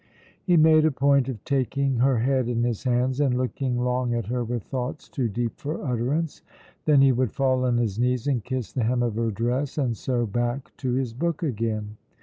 He made a point of taking her head in his hands and looking long at her with thoughts too deep for utterance; then he would fall on his knees and kiss the hem of her dress, and so back to his book again.